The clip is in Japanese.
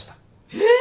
えっ！？